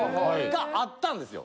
があったんですよ。